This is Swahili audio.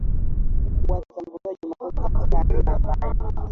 Watatambuliwa Jumatatu katika hafla ambayo